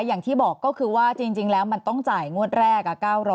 อย่างที่บอกก็คือว่าจริงแล้วมันต้องจ่ายงวดแรก๙๐๐